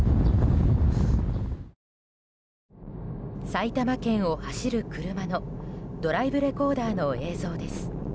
埼玉県を走る車のドライブレコーダーの映像です。